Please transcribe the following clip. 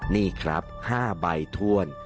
นี่ครับ๕ใบถ้วน